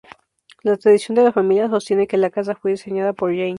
La tradición de la familia sostiene que la casa fue diseñada por Jane.